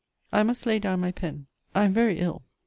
I must lay down my pen. I am very ill.